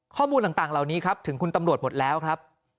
ข้อมูลต่างเหล่านี้ครับถึงคุณตำรวจหมดแล้วครับ